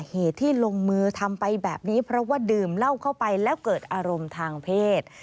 เหตุที่ลงมือทำไปแบบนี้เพราะว่าดื่มเหล้าเข้าไปแล้วเกิดอารมณ์ทางเพศ